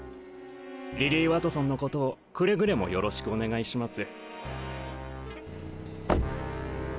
リリー・ワトソンのことをくれぐれもよろしくお願いします。